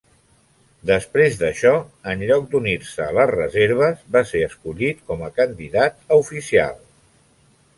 Després d'això, en lloc d'unir-se a les reserves, va ser escollit com a candidat a oficial.